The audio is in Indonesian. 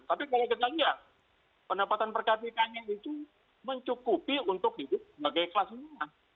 tapi kalau kita lihat pendapatan perhatiannya itu mencukupi untuk hidup sebagai kelas lingkungan